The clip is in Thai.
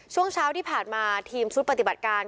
ช่วงเช้าที่ผ่านมาทีมชุดปฏิบัติการ